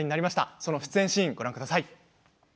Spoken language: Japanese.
その出演シーンをご覧ください。